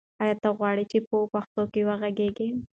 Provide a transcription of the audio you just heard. آیا ته غواړې چې په پښتو وغږېږې؟